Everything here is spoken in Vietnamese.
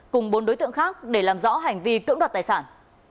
cùng bốn đối tượng khác để làm rõ hành vi cưỡng đoạt tài sản